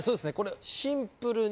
シンプルに。